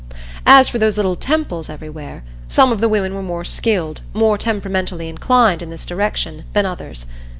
As for those little temples everywhere some of the women were more skilled, more temperamentally inclined, in this direction, than others.